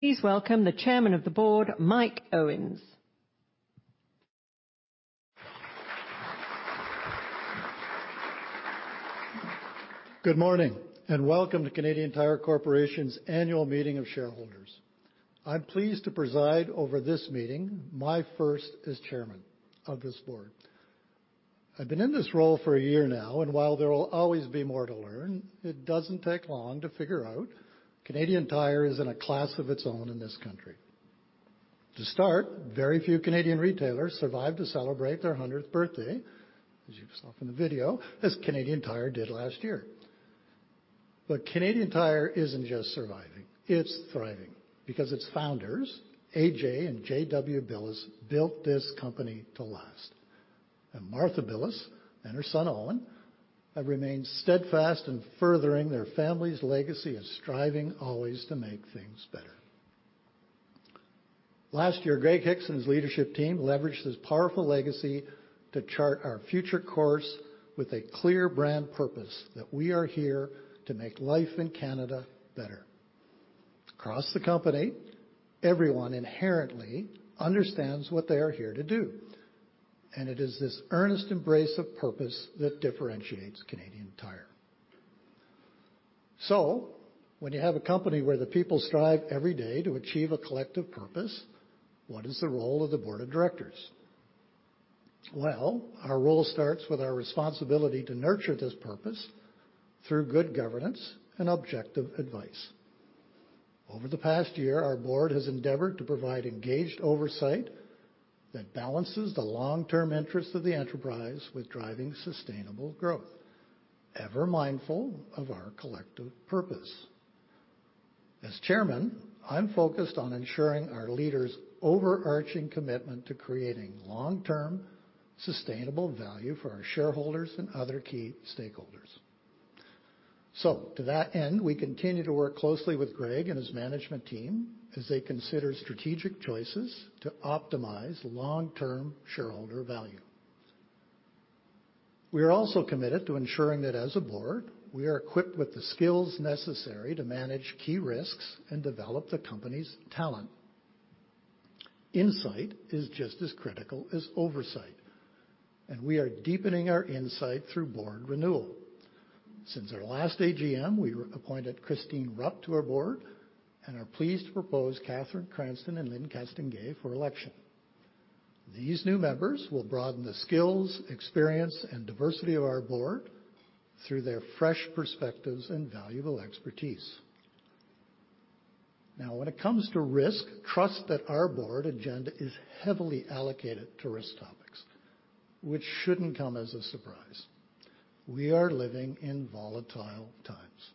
Please welcome the Chairman of the Board, Mike Owens. Good morning, welcome to Canadian Tire Corporation's Annual Meeting of Shareholders. I'm pleased to preside over this meeting, my first as chairman of this board. I've been in this role for a year now, and while there will always be more to learn, it doesn't take long to figure out Canadian Tire is in a class of its own in this country. To start, very few Canadian retailers survived to celebrate their hundredth birthday, as you saw from the video, as Canadian Tire did last year. Canadian Tire isn't just surviving, it's thriving because its founders, A.J. and J.W. Billes, built this company to last. Martha Billes and her son, Owen, have remained steadfast in furthering their family's legacy of striving always to make things better. Last year, Greg Hicks and his leadership team leveraged this powerful legacy to chart our future course with a clear brand purpose that we are here to make life in Canada better. Across the company, everyone inherently understands what they are here to do, and it is this earnest embrace of purpose that differentiates Canadian Tire. When you have a company where the people strive every day to achieve a collective purpose, what is the role of the board of directors? Our role starts with our responsibility to nurture this purpose through good governance and objective advice. Over the past year, our board has endeavored to provide engaged oversight that balances the long-term interest of the enterprise with driving sustainable growth, ever mindful of our collective purpose. As chairman, I'm focused on ensuring our leaders' overarching commitment to creating long-term sustainable value for our shareholders and other key stakeholders. To that end, we continue to work closely with Greg and his management team as they consider strategic choices to optimize long-term shareholder value. We are also committed to ensuring that as a board, we are equipped with the skills necessary to manage key risks and develop the company's talent. Insight is just as critical as oversight, and we are deepening our insight through board renewal. Since our last AGM, we appointed Christine Rupp to our board and are pleased to propose Cathryn Cranston and Lyne Castonguay for election. These new members will broaden the skills, experience, and diversity of our board through their fresh perspectives and valuable expertise. Now, when it comes to risk, trust that our board agenda is heavily allocated to risk topics, which shouldn't come as a surprise. We are living in volatile times.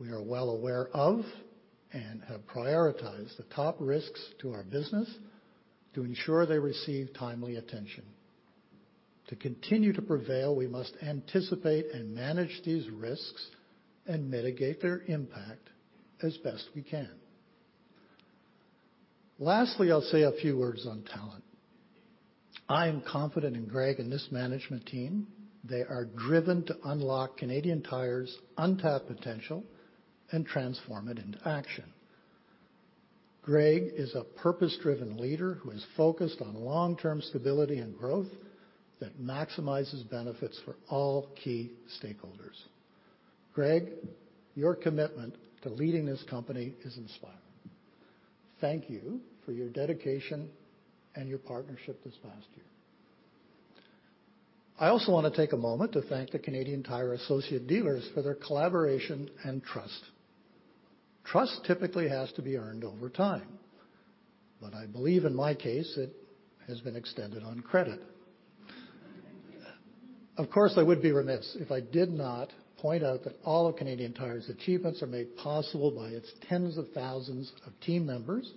We are well aware of and have prioritized the top risks to our business to ensure they receive timely attention. To continue to prevail, we must anticipate and manage these risks and mitigate their impact as best we can. Lastly, I'll say a few words on talent. I am confident in Greg and this management team. They are driven to unlock Canadian Tire's untapped potential and transform it into action. Greg is a purpose-driven leader who is focused on long-term stability and growth that maximizes benefits for all key stakeholders. Greg, your commitment to leading this company is inspiring. Thank you for your dedication and your partnership this past year. I also want to take a moment to thank the Canadian Tire associate dealers for their collaboration and trust. Trust typically has to be earned over time, but I believe in my case, it has been extended on credit. Of course, I would be remiss if I did not point out that all of Canadian Tire's achievements are made possible by its tens of thousands of team members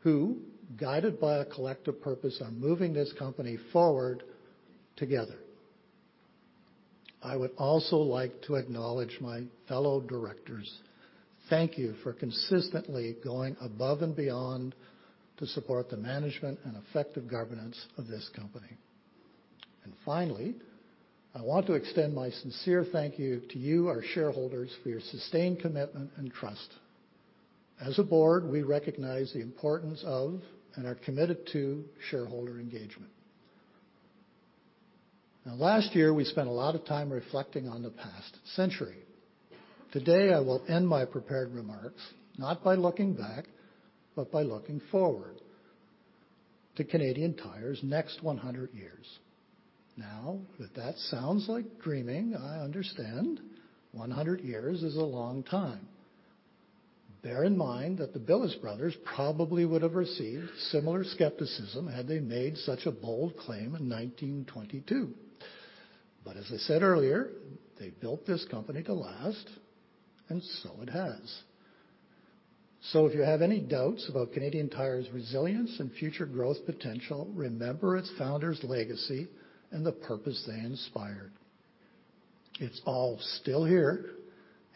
who, guided by a collective purpose on moving this company forward together. I would also like to acknowledge my fellow directors. Thank you for consistently going above and beyond to support the management and effective governance of this company. Finally, I want to extend my sincere thank you to you, our shareholders, for your sustained commitment and trust. As a board, we recognize the importance of and are committed to shareholder engagement. Last year, we spent a lot of time reflecting on the past century. Today, I will end my prepared remarks not by looking back, but by looking forward to Canadian Tire's next 100 years. That sounds like dreaming, I understand. 100 years is a long time. Bear in mind that the Billes brothers probably would have received similar skepticism had they made such a bold claim in 1922. As I said earlier, they built this company to last, and so it has. If you have any doubts about Canadian Tire's resilience and future growth potential, remember its founders' legacy and the purpose they inspired. It's all still here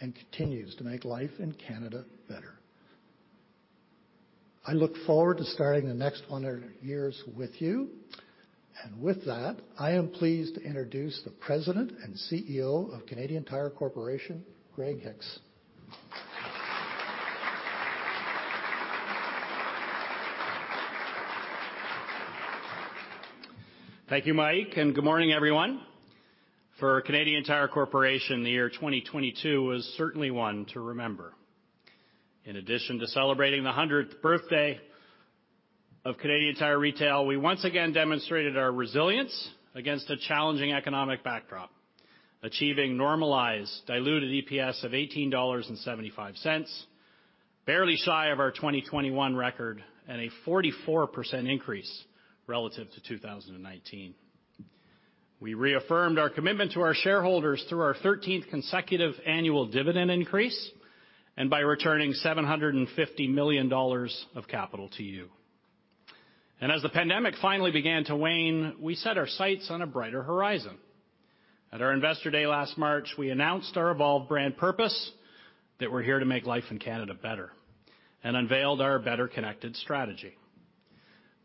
and continues to make life in Canada better. I look forward to starting the next 100 years with you. With that, I am pleased to introduce the President and CEO of Canadian Tire Corporation, Greg Hicks. Thank you, Mike, and good morning, everyone. For Canadian Tire Corporation, the year 2022 was certainly one to remember. In addition to celebrating the 100th birthday of Canadian Tire Retail, we once again demonstrated our resilience against a challenging economic backdrop, achieving normalized diluted EPS of 18.75 dollars, barely shy of our 2021 record, and a 44% increase relative to 2019. As the pandemic finally began to wane, we set our sights on a brighter horizon. At our Investor Day last March, we announced our evolved brand purpose, that we're here to make life in Canada better, and unveiled our Better Connected strategy.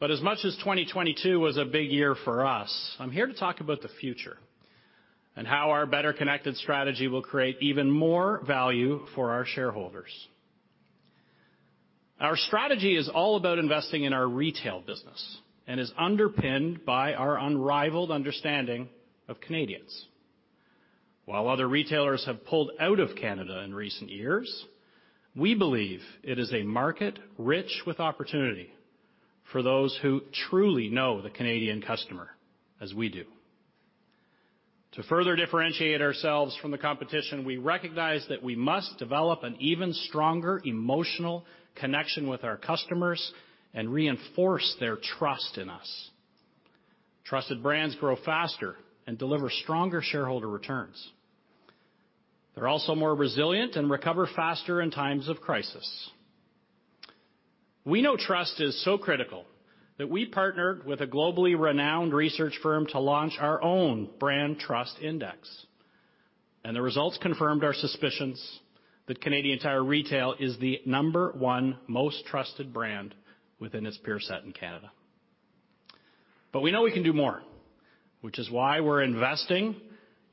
As much as 2022 was a big year for us, I'm here to talk about the future and how our Better Connected strategy will create even more value for our shareholders. Our strategy is all about investing in our retail business and is underpinned by our unrivaled understanding of Canadians. While other retailers have pulled out of Canada in recent years, we believe it is a market rich with opportunity for those who truly know the Canadian customer, as we do. To further differentiate ourselves from the competition, we recognize that we must develop an even stronger emotional connection with our customers and reinforce their trust in us. Trusted brands grow faster and deliver stronger shareholder returns. They're also more resilient and recover faster in times of crisis. We know trust is so critical that we partnered with a globally renowned research firm to launch our own brand trust index, and the results confirmed our suspicions that Canadian Tire Retail is the number one most trusted brand within its peer set in Canada. We know we can do more, which is why we're investing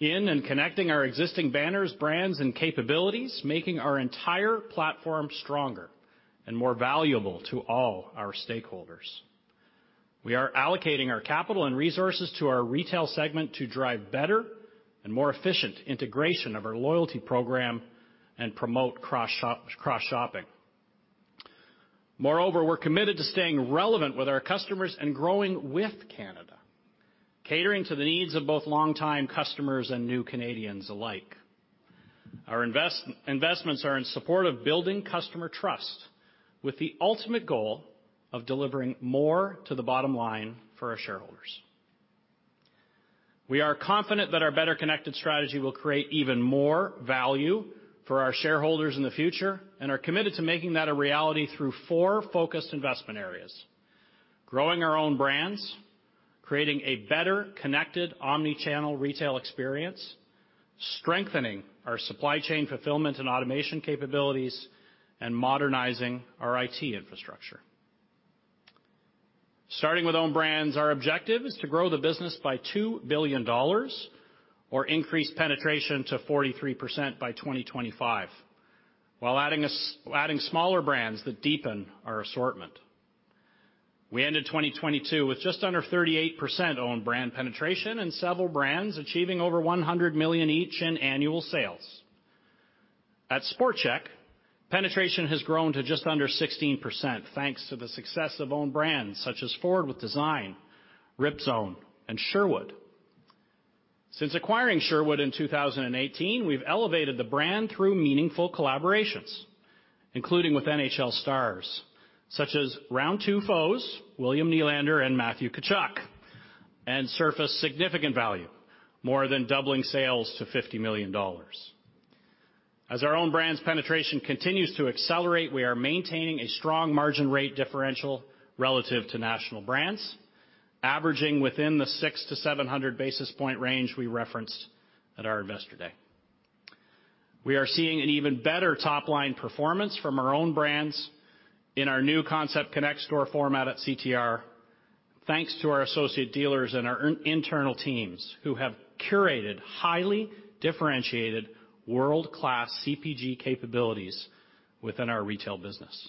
in and connecting our existing banners, brands, and capabilities, making our entire platform stronger and more valuable to all our stakeholders. We are allocating our capital and resources to our retail segment to drive better and more efficient integration of our loyalty program and promote cross-shop-cross-shopping. We're committed to staying relevant with our customers and growing with Canada, catering to the needs of both long-time customers and new Canadians alike. Our investments are in support of building customer trust with the ultimate goal of delivering more to the bottom line for our shareholders. We are confident that our Better Connected strategy will create even more value for our shareholders in the future and are committed to making that a reality through four focused investment areas. Growing our own brands, creating a better connected omnichannel retail experience, strengthening our supply chain fulfillment and automation capabilities, and modernizing our IT infrastructure. Starting with own brands, our objective is to grow the business by 2 billion dollars or increase penetration to 43% by 2025, while adding smaller brands that deepen our assortment. We ended 2022 with just under 38% own brand penetration and several brands achieving over 100 million each in annual sales. At Sport Chek, penetration has grown to just under 16%, thanks to the success of own brands such as Forward With Design, Ripzone and Sherwood. Since acquiring Sherwood in 2018, we've elevated the brand through meaningful collaborations, including with NHL stars such as round two foes, William Nylander and Matthew Tkachuk, and surface significant value, more than doubling sales to 50 million dollars. As our own brand's penetration continues to accelerate, we are maintaining a strong margin rate differential relative to national brands, averaging within the 600-700 basis point range we referenced at our Investor Day. We are seeing an even better top-line performance from our own brands in our new Concept Connect Store format at CTR, thanks to our associate dealers and our internal teams who have curated highly differentiated world-class CPG capabilities within our retail business.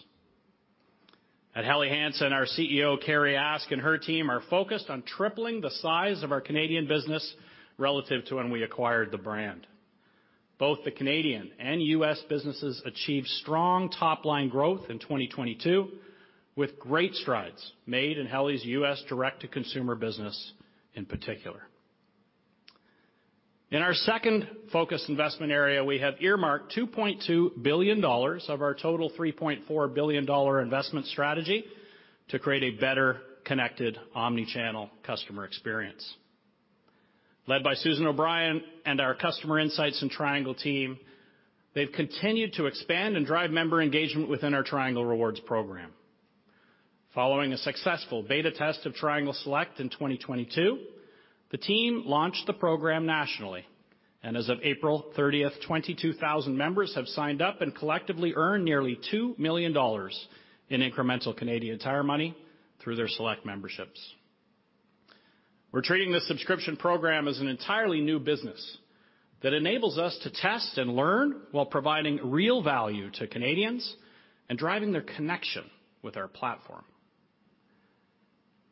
At Helly Hansen, our CEO, Carrie Ask, and her team are focused on tripling the size of our Canadian business relative to when we acquired the brand. Both the Canadian and U.S. businesses achieved strong top-line growth in 2022, with great strides made in Helly's U.S. direct-to-consumer business in particular. In our second focus investment area, we have earmarked 2.2 billion dollars of our total 3.4 billion dollar investment strategy to create a Better Connected omnichannel customer experience. Led by Susan O'Brien and our customer Insights and Triangle team, they've continued to expand and drive member engagement within our Triangle Rewards program. Following a successful beta test of Triangle Select in 2022. The team launched the program nationally, and as of April 30th, 22,000 members have signed up and collectively earned nearly 2 million dollars in incremental Canadian Tire money through their select memberships. We're treating this subscription program as an entirely new business that enables us to test and learn while providing real value to Canadians and driving their connection with our platform.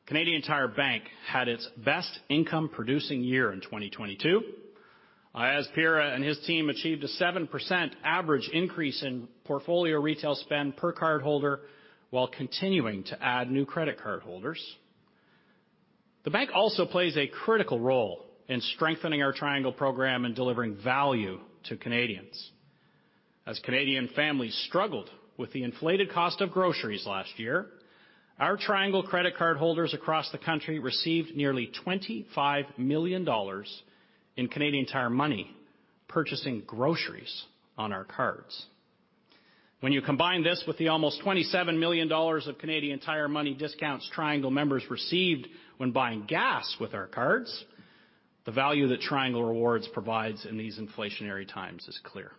Canadian Tire Bank had its best income-producing year in 2022. Aayaz Pira and his team achieved a 7% average increase in portfolio retail spend per cardholder while continuing to add new credit cardholders. The bank also plays a critical role in strengthening our Triangle program and delivering value to Canadians. As Canadian families struggled with the inflated cost of groceries last year, our Triangle credit cardholders across the country received nearly 25 million dollars in Canadian Tire money purchasing groceries on our cards. When you combine this with the almost 27 million dollars of Canadian Tire money discounts Triangle members received when buying gas with our cards, the value that Triangle Rewards provides in these inflationary times is clear.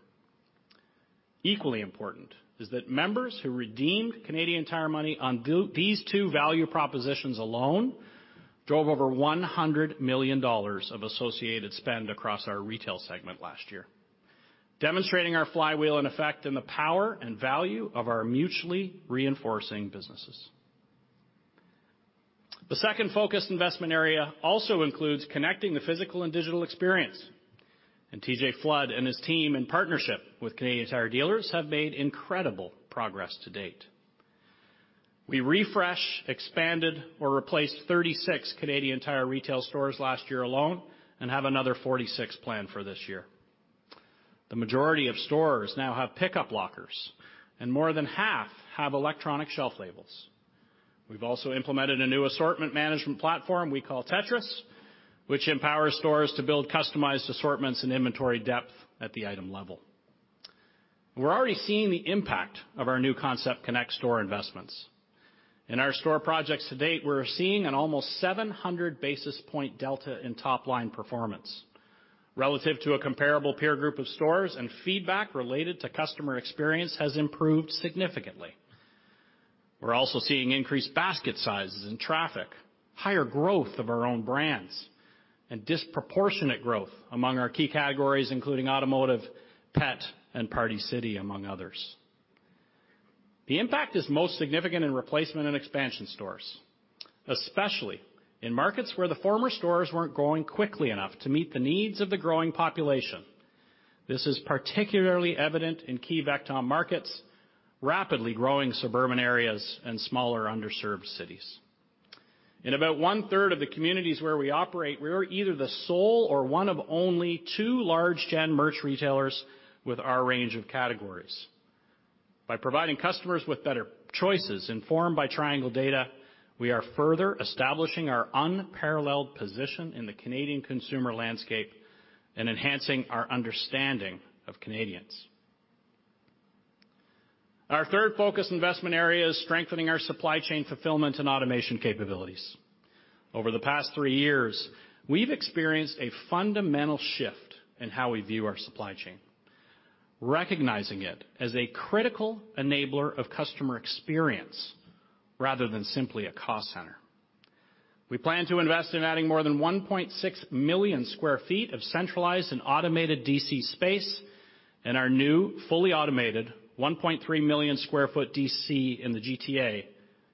Equally important is that members who redeemed Canadian Tire money on these two value propositions alone drove over 100 million dollars of associated spend across our retail segment last year, demonstrating our flywheel in effect and the power and value of our mutually reinforcing businesses. The second focused investment area also includes connecting the physical and digital experience. TJ Flood and his team, in partnership with Canadian Tire dealers, have made incredible progress to date. We refreshed, expanded or replaced 36 Canadian Tire retail stores last year alone and have another 46 planned for this year. The majority of stores now have pickup lockers, and more than half have electronic shelf labels. We've also implemented a new assortment management platform we call Tetris, which empowers stores to build customized assortments and inventory depth at the item level. We're already seeing the impact of our new Concept Connect store investments. In our store projects to date, we're seeing an almost 700 basis point delta in top-line performance relative to a comparable peer group of stores, and feedback related to customer experience has improved significantly. We're also seeing increased basket sizes and traffic, higher growth of our own brands, and disproportionate growth among our key categories, including automotive, pet, and Party City, among others. The impact is most significant in replacement and expansion stores, especially in markets where the former stores weren't growing quickly enough to meet the needs of the growing population. This is particularly evident in key VECTAM markets, rapidly growing suburban areas and smaller underserved cities. In about one-third of the communities where we operate, we are either the sole or one of only two large gen merch retailers with our range of categories. By providing customers with better choices informed by Triangle data, we are further establishing our unparalleled position in the Canadian consumer landscape and enhancing our understanding of Canadians. Our third focus investment area is strengthening our supply chain fulfillment and automation capabilities. Over the past three years, we've experienced a fundamental shift in how we view our supply chain, recognizing it as a critical enabler of customer experience rather than simply a cost center. We plan to invest in adding more than 1.6 million sq ft of centralized and automated DC space, and our new fully automated 1.3 million sq ft DC in the GTA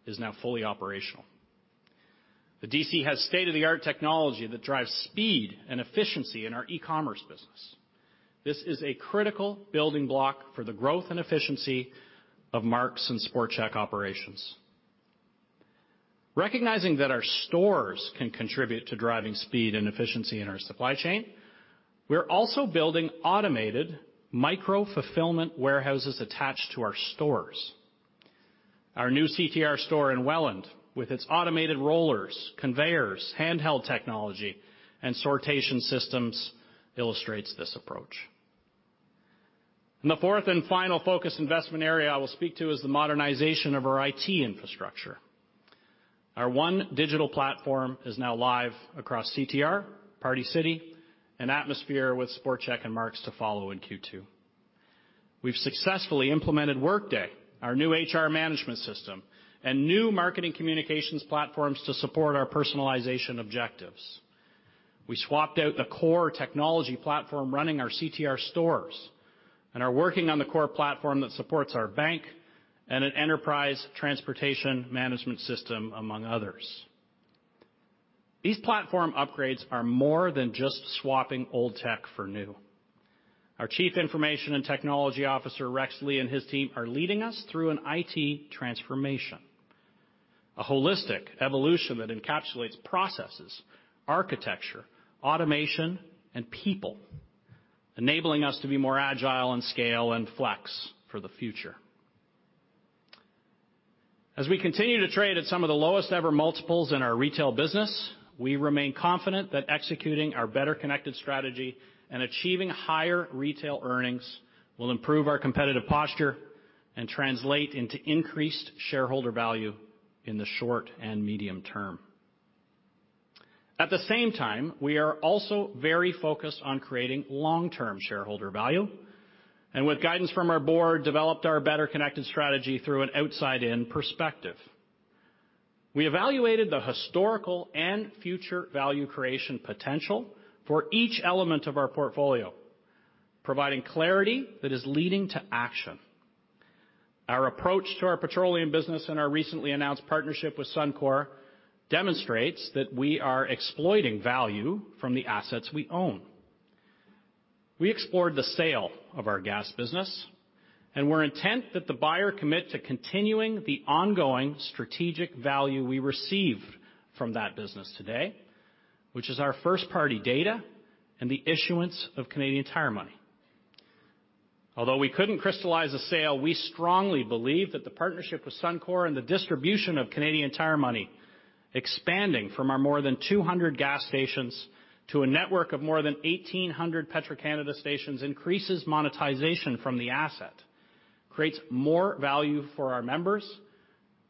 is now fully operational. The DC has state-of-the-art technology that drives speed and efficiency in our e-commerce business. This is a critical building block for the growth and efficiency of Mark's and Sport Chek operations. Recognizing that our stores can contribute to driving speed and efficiency in our supply chain, we're also building automated micro-fulfillment warehouses attached to our stores. Our new CTR store in Welland, with its automated rollers, conveyors, handheld technology, and sortation systems, illustrates this approach. The fourth and final focus investment area I will speak to is the modernization of our IT infrastructure. Our one digital platform is now live across CTR, Party City, and Atmosphere, with Sport Chek and Mark's to follow in Q2. We've successfully implemented Workday, our new HR management system, and new marketing communications platforms to support our personalization objectives. We swapped out the core technology platform running our CTR stores and are working on the core platform that supports our bank and an enterprise transportation management system, among others. These platform upgrades are more than just swapping old tech for new. Our Chief Information & Technology Officer, Rex Lee, and his team are leading us through an IT transformation, a holistic evolution that encapsulates processes, architecture, automation, and people, enabling us to be more agile and scale and flex for the future. As we continue to trade at some of the lowest ever multiples in our retail business, we remain confident that executing our Better Connected strategy and achieving higher retail earnings will improve our competitive posture and translate into increased shareholder value in the short and medium term. At the same time, we are also very focused on creating long-term shareholder value, and with guidance from our board, developed our Better Connected strategy through an outside-in perspective. We evaluated the historical and future value creation potential for each element of our portfolio, providing clarity that is leading to action. Our approach to our petroleum business and our recently announced partnership with Suncor demonstrates that we are exploiting value from the assets we own. We explored the sale of our gas business, and we're intent that the buyer commit to continuing the ongoing strategic value we receive from that business today, which is our first-party data and the issuance of Canadian Tire money. Although we couldn't crystallize the sale, we strongly believe that the partnership with Suncor and the distribution of Canadian Tire money expanding from our more than 200 gas stations to a network of more than 1,800 Petro-Canada stations increases monetization from the asset, creates more value for our members,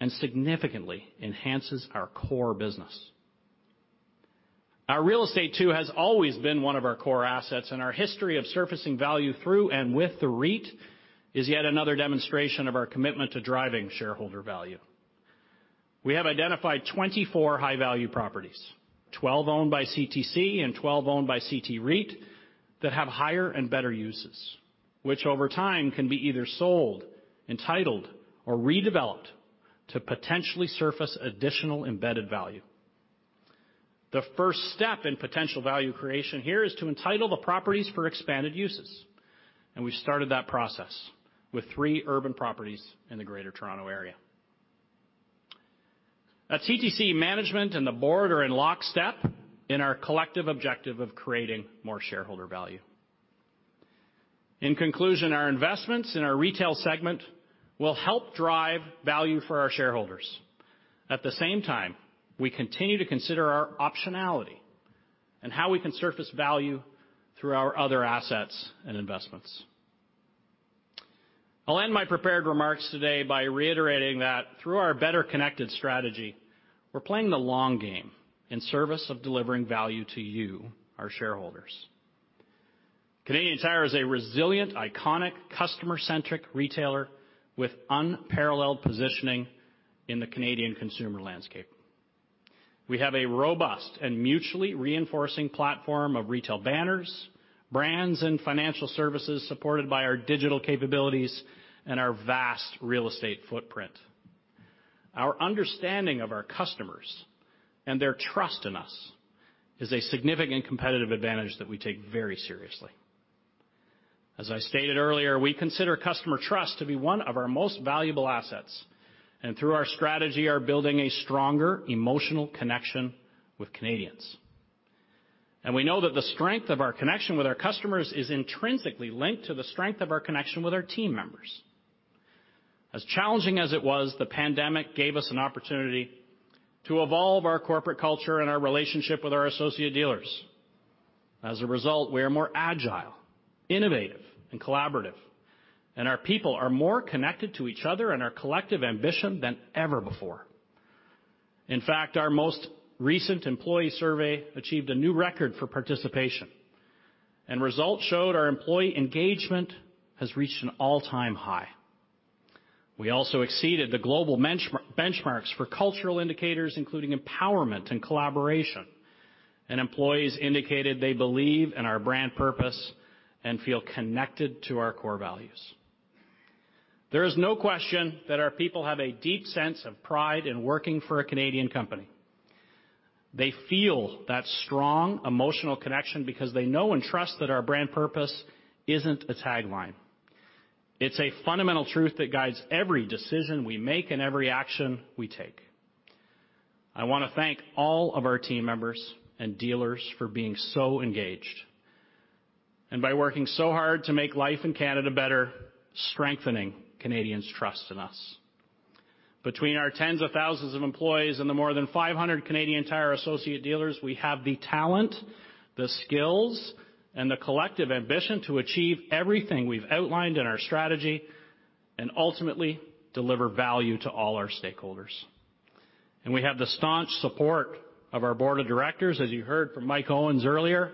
and significantly enhances our core business. Our real estate, too has always been one of our core assets, and our history of surfacing value through and with the REIT is yet another demonstration of our commitment to driving shareholder value. We have identified 24 high-value properties, 12 owned by CTC and 12 owned by CT REIT that have higher and better uses, which over time can be either sold, entitled, or redeveloped to potentially surface additional embedded value. The first step in potential value creation here is to entitle the properties for expanded uses. We started that process with three urban properties in the Greater Toronto Area. Now, CTC management and the board are in lockstep in our collective objective of creating more shareholder value. In conclusion, our investments in our retail segment will help drive value for our shareholders. At the same time, we continue to consider our optionality and how we can surface value through our other assets and investments. I'll end my prepared remarks today by reiterating that through our Better Connected strategy, we're playing the long game in service of delivering value to you, our shareholders. Canadian Tire is a resilient, iconic, customer-centric retailer with unparalleled positioning in the Canadian consumer landscape. We have a robust and mutually reinforcing platform of retail banners, brands, and financial services supported by our digital capabilities and our vast real estate footprint. Our understanding of our customers and their trust in us is a significant competitive advantage that we take very seriously. As I stated earlier, we consider customer trust to be one of our most valuable assets, and through our strategy, are building a stronger emotional connection with Canadians. We know that the strength of our connection with our customers is intrinsically linked to the strength of our connection with our team members. As challenging as it was, the pandemic gave us an opportunity to evolve our corporate culture and our relationship with our associate dealers. As a result, we are more agile, innovative and collaborative, and our people are more connected to each other and our collective ambition than ever before. In fact, our most recent employee survey achieved a new record for participation and results showed our employee engagement has reached an all-time high. We also exceeded the global benchmarks for cultural indicators, including empowerment and collaboration. Employees indicated they believe in our brand purpose and feel connected to our core values. There is no question that our people have a deep sense of pride in working for a Canadian company. They feel that strong emotional connection because they know and trust that our brand purpose isn't a tagline. It's a fundamental truth that guides every decision we make and every action we take. I wanna thank all of our team members and dealers for being so engaged and by working so hard to make life in Canada better, strengthening Canadians' trust in us. Between our tens of thousands of employees and the more than 500 Canadian Tire associate dealers, we have the talent, the skills, and the collective ambition to achieve everything we've outlined in our strategy and ultimately deliver value to all our stakeholders. We have the staunch support of our board of directors, as you heard from Mike Owens earlier.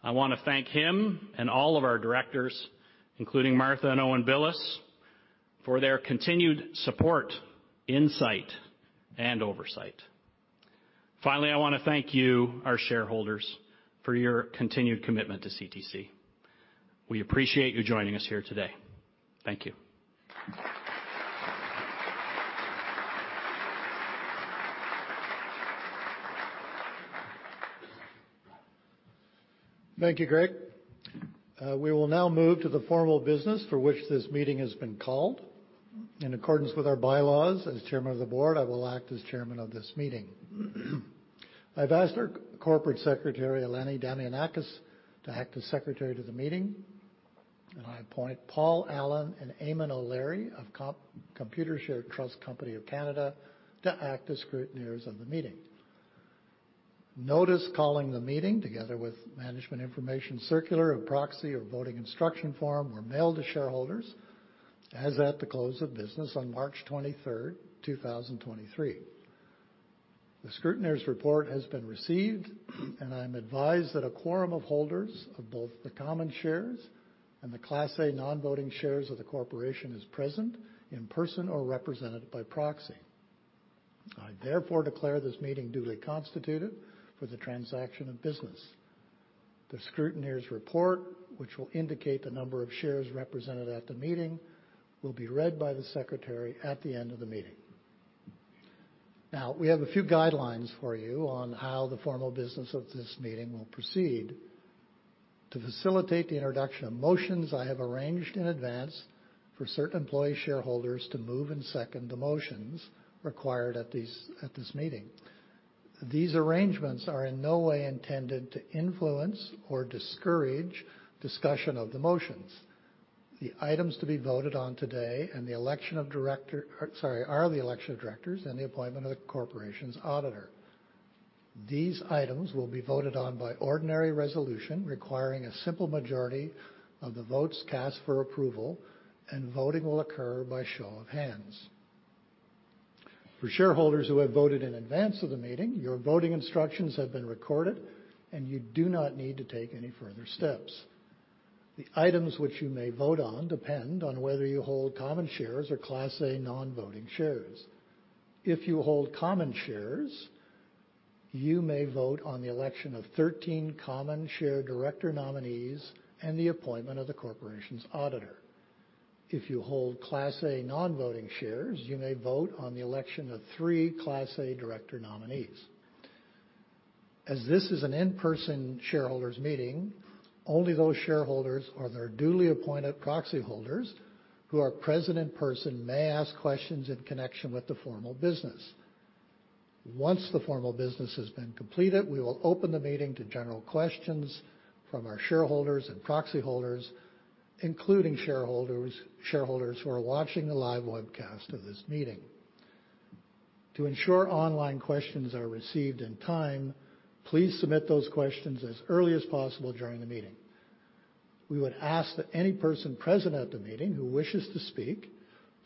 I want to thank him and all of our directors, including Martha and Owen Billes, for their continued support, insight, and oversight. Finally, I want to thank you, our shareholders, for your continued commitment to CTC. We appreciate you joining us here today. Thank you. Thank you, Greg. We will now move to the formal business for which this meeting has been called. In accordance with our bylaws, as Chairman of the Board, I will act as chairman of this meeting. I've asked our Corporate Secretary, Eleni Damianakis, to act as secretary to the meeting. I appoint Paul Allen and Eamon O'Leary of Computershare Trust Company of Canada to act as scrutineers of the meeting. Notice calling the meeting together with management information circular or proxy or voting instruction form were mailed to shareholders as at the close of business on March 23rd, 2023. The scrutineer's report has been received. I'm advised that a quorum of holders of both the common shares and the Class A Non-Voting Shares of the corporation is present in person or represented by proxy. I therefore declare this meeting duly constituted for the transaction of business. The scrutineer's report, which will indicate the number of shares represented at the meeting, will be read by the secretary at the end of the meeting. Now, we have a few guidelines for you on how the formal business of this meeting will proceed. To facilitate the introduction of motions, I have arranged in advance for certain employee shareholders to move and second the motions required at this meeting. These arrangements are in no way intended to influence or discourage discussion of the motions. The items to be voted on today are the election of directors and the appointment of the Corporation's auditor. These items will be voted on by ordinary resolution, requiring a simple majority of the votes cast for approval, and voting will occur by show of hands. For shareholders who have voted in advance of the meeting, your voting instructions have been recorded, and you do not need to take any further steps. The items which you may vote on depend on whether you hold common shares or Class A Non-Voting Shares. If you hold common shares, you may vote on the election of 13 common share director nominees and the appointment of the corporation's auditor. If you hold Class A Non-Voting Shares, you may vote on the election of three Class A director nominees. As this is an in-person shareholders meeting, only those shareholders or their duly appointed proxy holders who are present in person may ask questions in connection with the formal business. Once the formal business has been completed, we will open the meeting to general questions from our shareholders and proxy holders, including shareholders who are watching the live webcast of this meeting. To ensure online questions are received in time, please submit those questions as early as possible during the meeting. We would ask that any person present at the meeting who wishes to speak,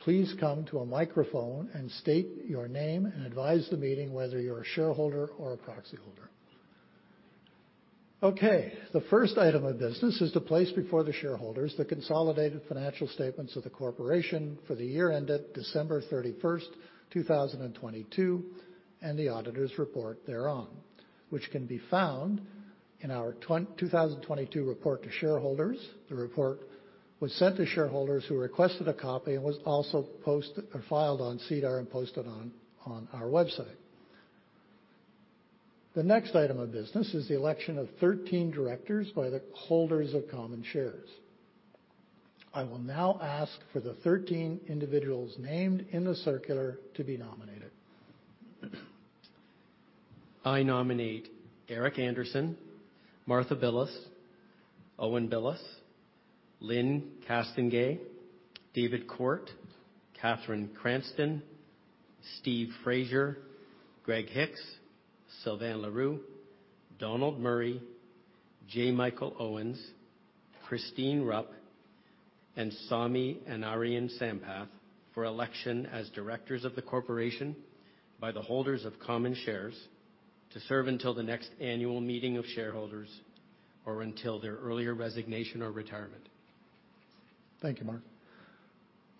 please come to a microphone and state your name and advise the meeting whether you're a shareholder or a proxy holder. The first item of business is to place before the shareholders the consolidated financial statements of the corporation for the year ended December 31st, 2022, and the auditor's report thereon, which can be found in our 2022 report to shareholders. The report was sent to shareholders who requested a copy and was also posted or filed on SEDAR and posted on our website. The next item of business is the election of 13 directors by the holders of common shares. I will now ask for the 13 individuals named in the circular to be nominated. I nominate Eric Anderson, Martha Billes, Owen Billes, Lyne Castonguay, David Court, Cathryn Cranston, Steve Frazier, Greg Hicks, Sylvain Leroux, Donald Murray, J. Michael Owens, Christine Rupp, and Sowmyanarayan Sampath for election as directors of the corporation by the holders of common shares to serve until the next annual meeting of shareholders or until their earlier resignation or retirement. Thank you, Mark.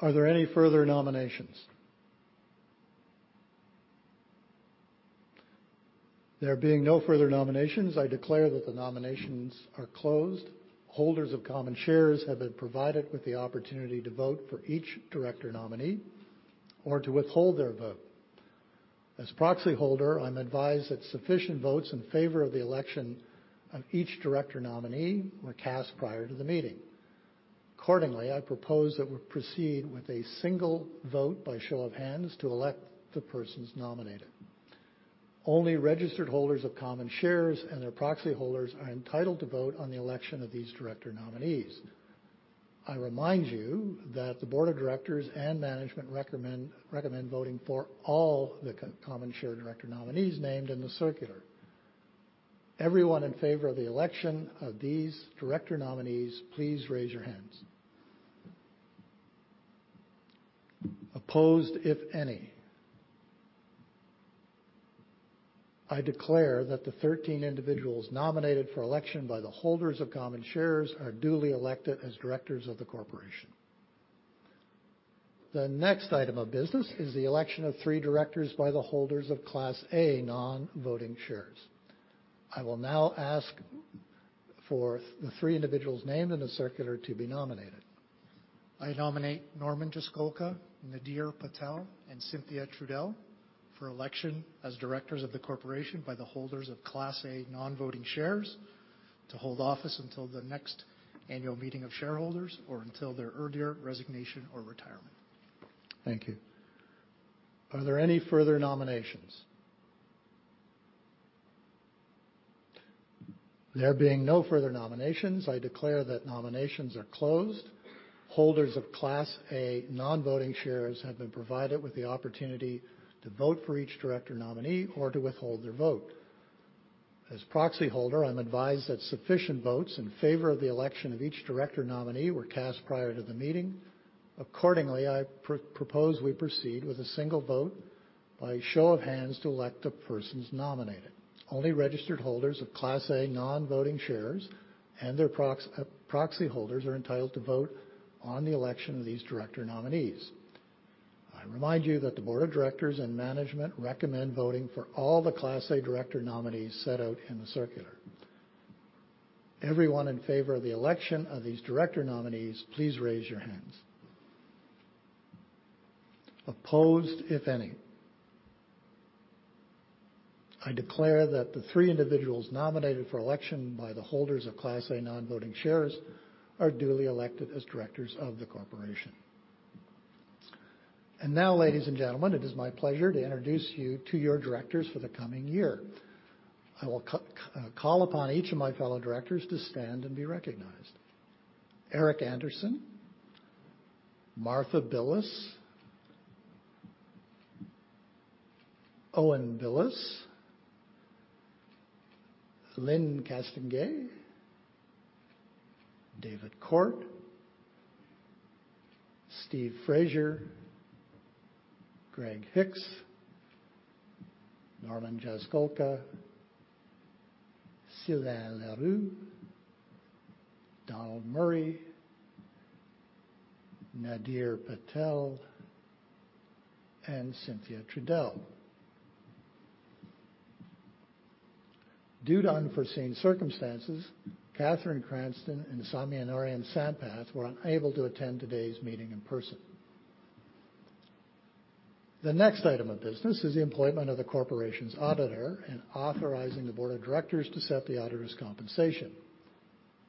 Are there any further nominations? There being no further nominations, I declare that the nominations are closed. Holders of common shares have been provided with the opportunity to vote for each director nominee or to withhold their vote. As proxy holder, I'm advised that sufficient votes in favor of the election of each director nominee were cast prior to the meeting. Accordingly, I propose that we proceed with a single vote by show of hands to elect the persons nominated. Only registered holders of common shares and their proxy holders are entitled to vote on the election of these director nominees. I remind you that the board of directors and management recommend voting for all the co-common share director nominees named in the circular. Everyone in favor of the election of these director nominees, please raise your hands. Opposed, if any. I declare that the 13 individuals nominated for election by the holders of common shares are duly elected as directors of the corporation. The next item of business is the election of three directors by the holders of Class A non-voting shares. I will now ask for the three individuals named in the circular to be nominated. I nominate Norman Jaskolka, Nadir Patel, and Cynthia Trudell for election as directors of the corporation by the holders of Class A Non-Voting Shares to hold office until the next annual meeting of shareholders or until their earlier resignation or retirement. Thank you. Are there any further nominations? There being no further nominations, I declare that nominations are closed. Holders of Class A Non-Voting Shares have been provided with the opportunity to vote for each director nominee or to withhold their vote. As proxy holder, I'm advised that sufficient votes in favor of the election of each director nominee were cast prior to the meeting. Accordingly, I propose we proceed with a single vote by show of hands to elect the persons nominated. Only registered holders of Class A Non-Voting Shares and their proxy holders are entitled to vote on the election of these director nominees. I remind you that the board of directors and management recommend voting for all the Class A director nominees set out in the circular. Everyone in favor of the election of these director nominees, please raise your hands. Opposed, if any. I declare that the three individuals nominated for election by the holders of Class A Non-Voting Shares are duly elected as directors of the corporation. Now, ladies and gentlemen, it is my pleasure to introduce you to your directors for the coming year. I will call upon each of my fellow directors to stand and be recognized. Eric Anderson, Martha Billes, Owen Billes, Lyne Castonguay, David Court, Steve Frazier, Greg Hicks, Norman Jaskolka, Sylvain Leroux, Donald Murray, Nadir Patel, and Cynthia Trudell. Due to unforeseen circumstances, Cathryn Cranston and Sowmyanarayan Sampath were unable to attend today's meeting in person. The next item of business is the employment of the corporation's auditor and authorizing the board of directors to set the auditor's compensation.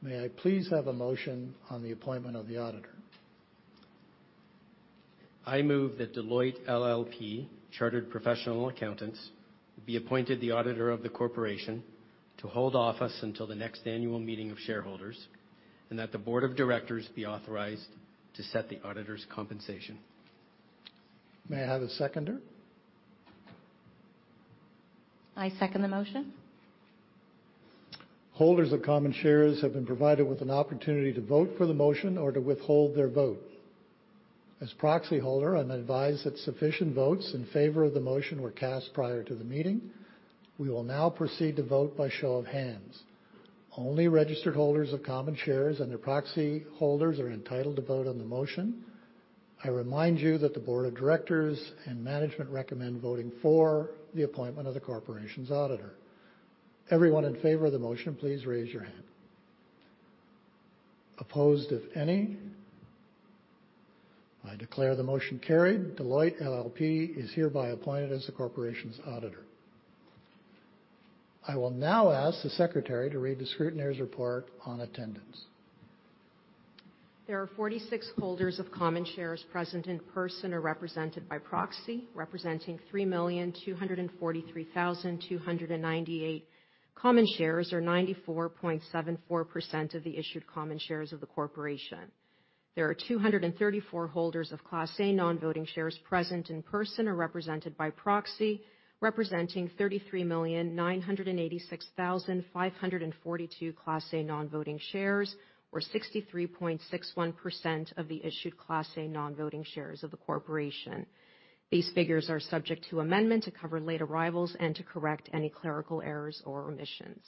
May I please have a motion on the appointment of the auditor? I move that Deloitte LLP chartered professional accountants, be appointed the auditor of the corporation to hold office until the next annual meeting of shareholders, and that the board of directors be authorized to set the auditor's compensation. May I have a seconder? I second the motion. Holders of common shares have been provided with an opportunity to vote for the motion or to withhold their vote. As proxy holder, I'm advised that sufficient votes in favor of the motion were cast prior to the meeting. We will now proceed to vote by show of hands. Only registered holders of common shares and their proxy holders are entitled to vote on the motion. I remind you that the board of directors and management recommend voting for the appointment of the corporation's auditor. Everyone in favor of the motion, please raise your hand. Opposed, if any. I declare the motion carried. Deloitte LLP is hereby appointed as the corporation's auditor. I will now ask the secretary to read the scrutineer's report on attendance. There are 46 holders of common shares present in person or represented by proxy, representing 3,243,298 common shares, or 94.74% of the issued common shares of the corporation. There are 234 holders of Class A non-voting shares present in person or represented by proxy, representing 33,986,542 Class A non-voting shares, or 63.61% of the issued Class A non-voting shares of the corporation. These figures are subject to amendment to cover late arrivals and to correct any clerical errors or omissions.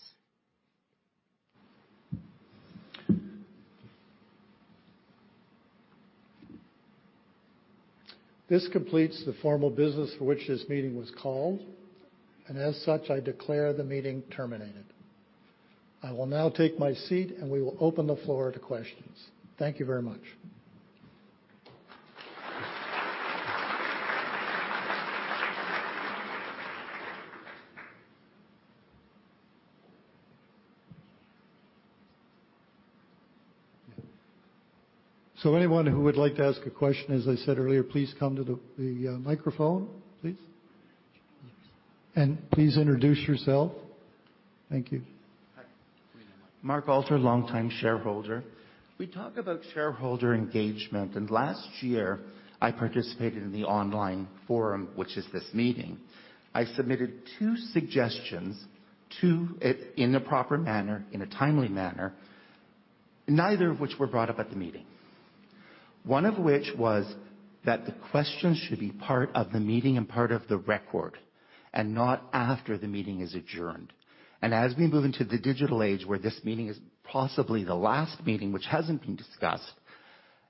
This completes the formal business for which this meeting was called. As such, I declare the meeting terminated. I will now take my seat. We will open the floor to questions. Thank you very much. Anyone who would like to ask a question, as I said earlier, please come to the microphone, please. Please introduce yourself. Thank you. Hi. Mark Alter, longtime shareholder. We talk about shareholder engagement, and last year I participated in the online forum, which is this meeting. I submitted two suggestions to it in the proper manner, in a timely manner, neither of which were brought up at the meeting, one of which was that the questions should be part of the meeting and part of the record and not after the meeting is adjourned. As we move into the digital age, where this meeting is possibly the last meeting which hasn't been discussed,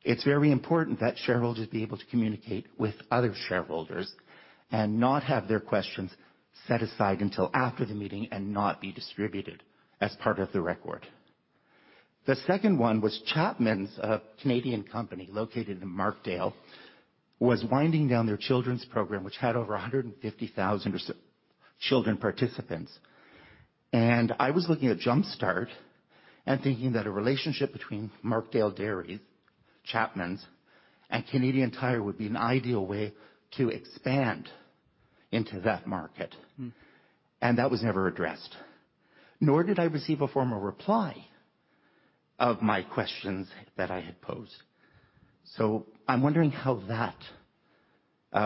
it's very important that shareholders be able to communicate with other shareholders and not have their questions set aside until after the meeting and not be distributed as part of the record. The second one was Chapman's, a Canadian company located in Markdale, was winding down their children's program, which had over 150,000 or so children participants. I was looking at Jumpstart, and thinking that a relationship between Markdale Creamery, Chapman's, and Canadian Tire would be an ideal way to expand into that market. Mm-hmm. That was never addressed, nor did I receive a formal reply of my questions that I had posed. I'm wondering how that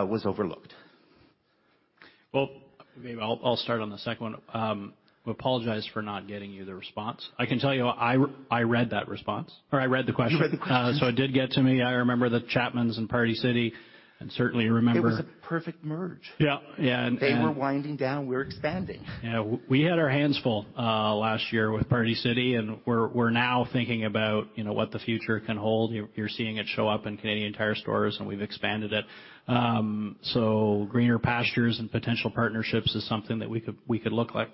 was overlooked. Maybe I'll start on the second one. I apologize for not getting you the response. I can tell you I read that response or I read the question. You read the question. It did get to me. I remember the Chapman's and Party City, and certainly. It was a perfect merge. Yeah. They were winding down. We were expanding. Yeah. We had our hands full last year with Party City. We're now thinking about, you know, what the future can hold. You're seeing it show up in Canadian Tire stores, and we've expanded it. Greener pastures and potential partnerships is something that we could look at.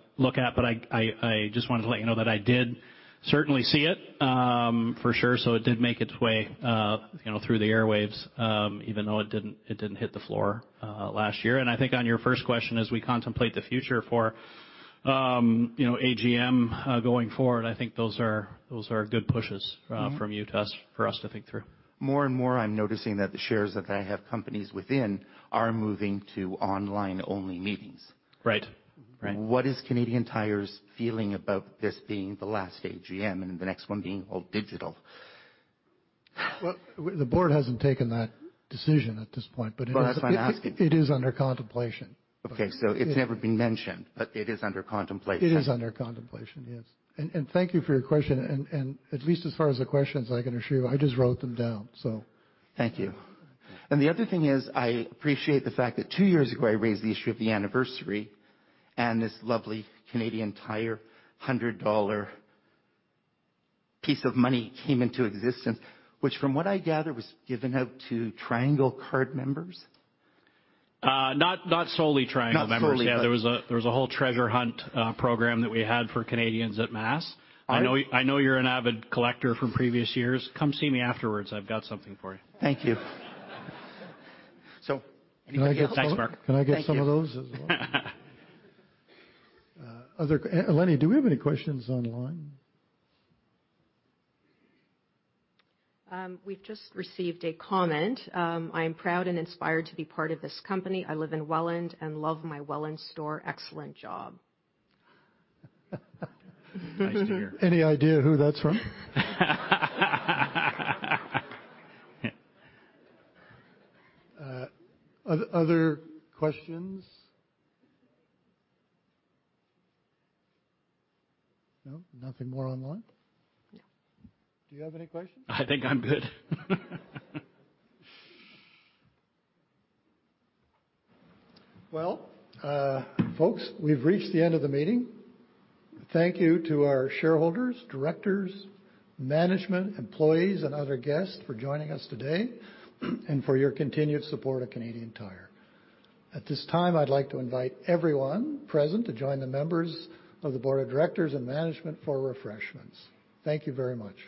I just wanted to let you know that I did certainly see it for sure. It did make its way, you know, through the airwaves, even though it didn't hit the floor last year. I think on your first question, as we contemplate the future for, you know, AGM going forward, I think those are good pushes from you to us, for us to think through. More and more, I'm noticing that the shares that I have companies within are moving to online-only meetings. Right. Right. What is Canadian Tire's feeling about this being the last AGM and the next one being all digital? The board hasn't taken that decision at this point. Well, that's why I'm asking. It is under contemplation. Okay. It's never been mentioned, but it is under contemplation. It is under contemplation, yes. Thank you for your question and at least as far as the questions, I can assure you, I just wrote them down. Thank you. The other thing is, I appreciate the fact that two years ago, I raised the issue of the anniversary and this lovely Canadian Tire $100 piece of money came into existence, which from what I gather, was given out to Triangle card members. Not solely Triangle members. Not solely, yeah. There was a whole treasure hunt program that we had for Canadians at mass. Are I know, I know you're an avid collector from previous years. Come see me afterwards. I've got something for you. Thank you. Anything else? Can I get? Thanks, Mark. Can I get some of those as well? Eleni, do we have any questions online? We've just received a comment. "I am proud and inspired to be part of this company. I live in Welland and love my Welland store. Excellent job" Nice to hear. Any idea who that's from? other questions? No, nothing more online? No. Do you have any questions? I think I'm good. Well, folks, we've reached the end of the meeting. Thank you to our shareholders, directors, management, employees and other guests for joining us today and for your continued support of Canadian Tire. At this time, I'd like to invite everyone present to join the members of the board of directors and management for refreshments. Thank you very much.